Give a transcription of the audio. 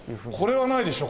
これはないでしょ？